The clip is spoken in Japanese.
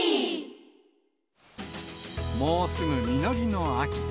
もうすぐ実りの秋。